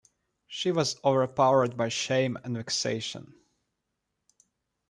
She was overpowered by shame and vexation.